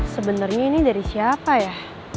sebenarnya ini dari siapa ya